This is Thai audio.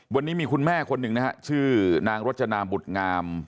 วันนี้มีคุณแม่คนหนึ่งนะฮะชื่อนางรจนาบุตรงาม